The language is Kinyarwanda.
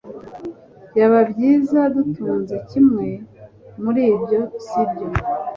Byaba byiza dutunze kimwe muri ibyo, sibyo?